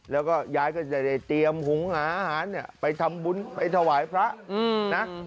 แล้วก็ยายก็จะได้เตรียมหุงหาอาหารเนี่ยไปทำบุญไปถวายพระนะ